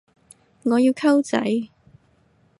我要溝仔